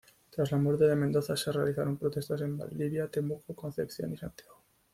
Tras la muerte de Mendoza se realizaron protestas en Valdivia, Temuco, Concepción y Santiago.